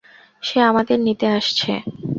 সে আমাদের নিতে আসছে।